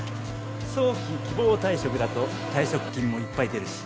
早期希望退職だと退職金もいっぱい出るし